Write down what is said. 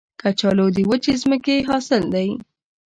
کچالو د وچې ځمکې حاصل دی